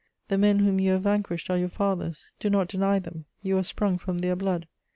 The men whom you have vanquished are your fathers; do not deny them, you are sprung from their blood.